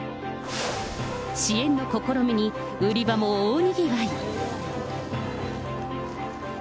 支援の試みに、売り場も大にぎわい。